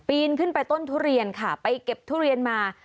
นขึ้นไปต้นทุเรียนค่ะไปเก็บทุเรียนมา